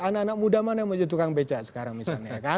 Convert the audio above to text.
anak anak muda mana yang mau jadi tukang beca sekarang misalnya